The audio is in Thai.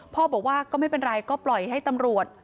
พ่อบอกว่าก็ไม่เป็นไรก็ปล่อยให้ตำรวจ